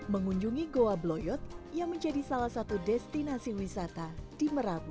mengunjungi goa bloyot yang menjadi salah satu destinasi wisata di merabu